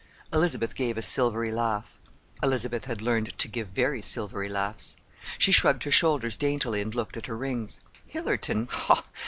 Elizabeth gave a silvery laugh. (Elizabeth had learned to give very silvery laughs.) She shrugged her shoulders daintily and looked at her rings. "Hillerton?